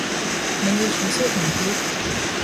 你會取消紅帖